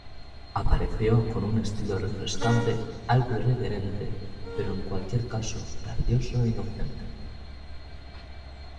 Apareció con un estilo refrescante, algo irreverente, pero en cualquier caso gracioso e inocente.